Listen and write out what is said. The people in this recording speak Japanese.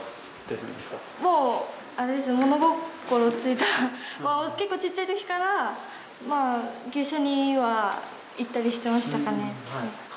もう物心付いた結構ちっちゃい時からまあ牛舎には行ったりしてましたかね。